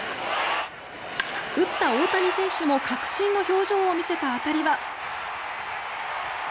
打った大谷選手も確信の表情を見せた当たりは。